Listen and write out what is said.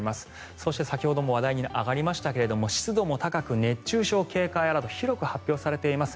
そして、先ほども話題に上がりましたが湿度も高く熱中症警戒アラートが広く発表されています。